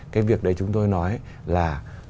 cái việc đấy chúng tôi nói là